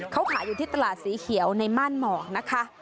เขาขายอยู่ที่ตลาดสีเขียวในม่านหมอกนะคะ